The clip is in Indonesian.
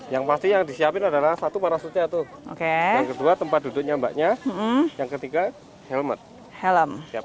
yang pasti yang disiapin adalah satu parasutnya tuh yang kedua tempat duduknya mbaknya yang ketiga helmet helm